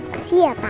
kasih ya pak